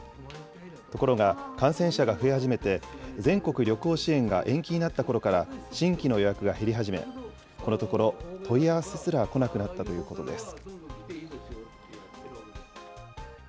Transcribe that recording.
ところが、感染者が増え始めて、全国旅行支援が延期になったころから、新規の予約が減り始め、このところ、問い合わせすら来なくなったということです。